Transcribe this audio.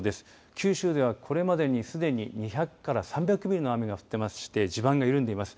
九州では、これまでにすでに２００から３００ミリの雨が降っていまして地盤が緩んでいます。